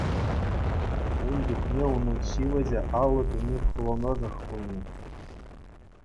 Ун чухне унӑн ҫивӗчӗ алӑ туни хулӑнӑшех пулнӑ.